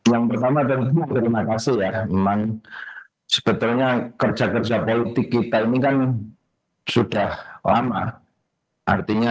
yang pertama dan kelima terima kasih ya